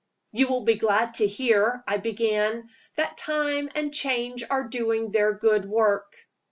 "You will be glad to hear," I began, "that time and change are doing their good work."